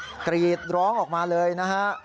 สองคนนี้ใส่สายสภายกรีดร้องออกมาเลยนะฮะ